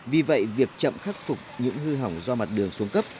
vì vậy việc chậm khắc phục những hư hỏng do mặt đường xuống cấp